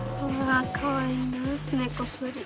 あかわいいなあすねこすり。